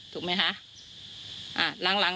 ถูกมั้ยฮะ